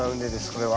これは。